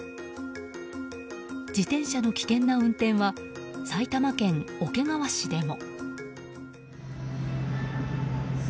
自転車の危険な運転は埼玉県桶川市でも。